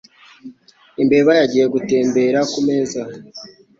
Imbeba yagiye gutembera kumeza.